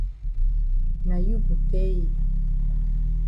Na you go tell yi.